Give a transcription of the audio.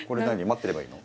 待ってればいいの？